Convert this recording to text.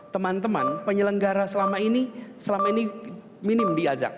teman teman penyelenggara selama ini selama ini minim diajak